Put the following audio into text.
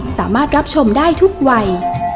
สามารถรับชมได้ทุกวัย